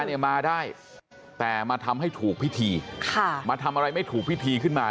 เนี่ยมาได้แต่มาทำให้ถูกพิธีค่ะมาทำอะไรไม่ถูกพิธีขึ้นมา